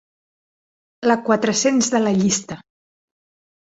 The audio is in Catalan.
La quatre-cents de la llista.